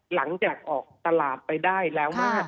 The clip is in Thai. หลังจากออกตลาดไปได้แล้วมาก